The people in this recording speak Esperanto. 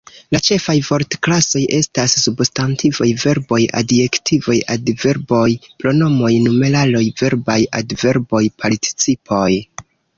La ĉefaj vortklasoj estas: substantivoj, verboj, adjektivoj, adverboj, pronomoj, numeraloj, verbaj adverboj, participoj.